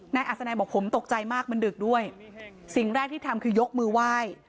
อัศนัยบอกผมตกใจมากมันดึกด้วยสิ่งแรกที่ทำคือยกมือไหว้